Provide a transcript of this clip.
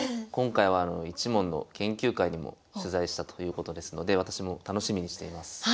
今回は一門の研究会にも取材したということですので私も楽しみにしています。